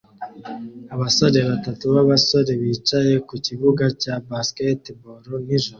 abasore batatu b'abasore bicaye ku kibuga cya basketball nijoro